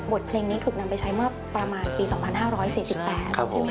เพลงนี้ถูกนำไปใช้เมื่อประมาณปี๒๕๔๘ใช่ไหมค